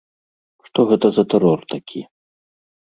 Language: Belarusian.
Што гэта за тэрор такі?